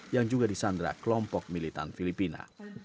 yang juga di sandra kelompok militan filipina